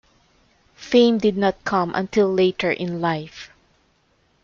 Fame did not come until later in life.